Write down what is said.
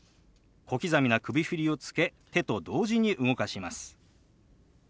小刻みな首振りをつけ手と同時に動かします。